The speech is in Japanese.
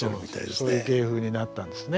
そういう芸風になったんですね